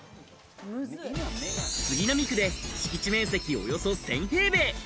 杉並区で敷地面積およそ１０００平米。